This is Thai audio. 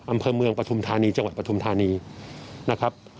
อำเภอเมืองปฐุมธานีจังหวัดปฐุมธานีนะครับ